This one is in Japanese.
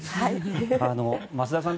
増田さん